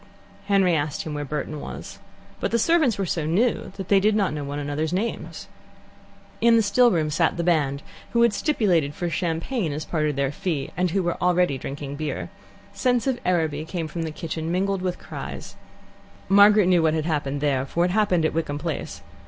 Henry asked him where Burton was. But the servants were so new that they did not know one another's names. In the still room sat the band, who had stipulated for champagne as part of their fee, and who were already drinking beer. Scents of Araby came from the kitchen, mingled with cries. Margaret knew what had happened there, for it happened at Wickham Place.